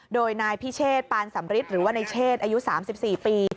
โดยนายพิเชษปานสำริทหรือว่าในเชศอายุ๓๔ปี